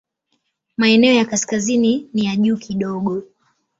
Maeneo ya kaskazini ni ya juu kidogo.